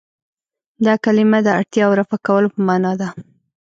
دا کلمه د اړتیاوو رفع کولو په معنا ده.